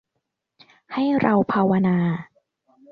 ให้เราภาวนา